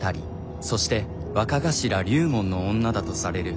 そして若頭「龍門」の女だとされる「関根ミラ」。